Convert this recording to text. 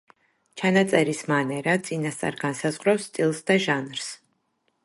ჩანაწერის მანერა წინასწარ განსაზღვრავს სტილს და ჟანრს.